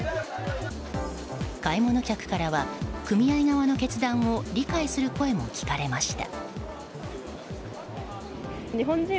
買い物客からは組合側の決断を理解する声も聞かれました。